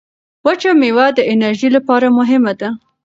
وچه مېوه د انرژۍ لپاره مهمه ده.